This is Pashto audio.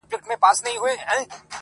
خو چي راغلې پر موږ کرونا ده٫